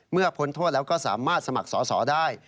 เมื่อผลโทษแล้วก็สามารถสมัครสอดสอได้